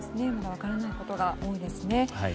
分からないことが多いですね。